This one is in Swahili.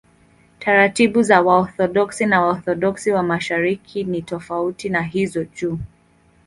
Taratibu za Waorthodoksi na Waorthodoksi wa Mashariki ni tofauti na hizo juu.